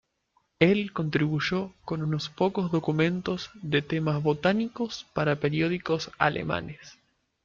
Él contribuyó con unos pocos documentos de temas botánicos para periódicos alemanes.